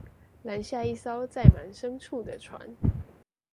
攔下一艘載滿牲畜的船